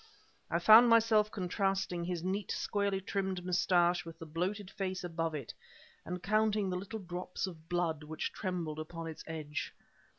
I found myself contrasting his neat, squarely trimmed mustache with the bloated face above it, and counting the little drops of blood which trembled upon its edge.